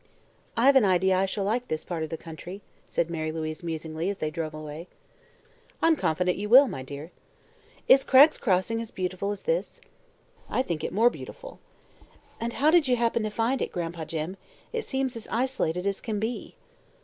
"I've an idea I shall like this part of the country," said Mary Louise musingly, as they drove away. "I am confident you will, my dear." "Is Cragg's Crossing as beautiful as this?" "I think it more beautiful." "And how did you happen to find it, Gran'pa Jim? It seems as isolated as can be."